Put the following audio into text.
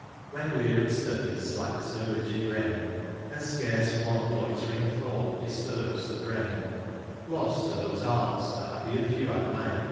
When wearied ftudy flacks her rigid rein. And fcarce one loitering thought difturbs the brain r — Loft to thofe arts the happier (qw admire.